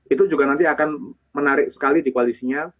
itu juga nanti akan menarik sekali di koalisinya